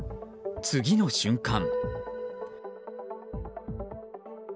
次の瞬間。